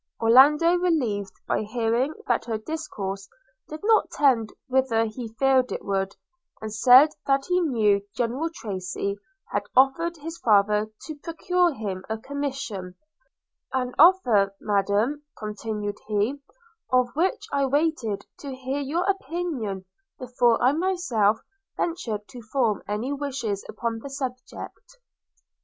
Orlando, relieved by hearing that her discourse did not tend whither he feared it would, said that he knew General Tracy had offered his father to procure him a commission; 'an offer, Madam,' continued he, 'of which I waited to hear your opinion before I myself ventured to form any wishes upon the subject.'